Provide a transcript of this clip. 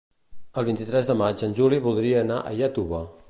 El vint-i-tres de maig en Juli voldria anar a Iàtova.